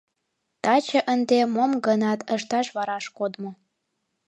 — Таче ынде мом-гынат ышташ вараш кодмо.